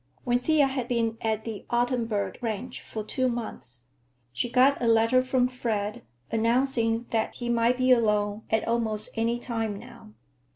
When Thea had been at the Ottenburg ranch for two months, she got a letter from Fred announcing that he "might be along at almost any time now."